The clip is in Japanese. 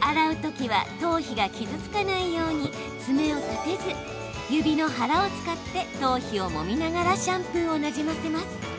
洗うときは、頭皮が傷つかないように爪を立てず指の腹を使って頭皮をもみながらシャンプーをなじませます。